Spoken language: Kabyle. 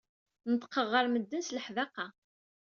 Neṭṭqeɣ ɣer medden s leḥdaqa.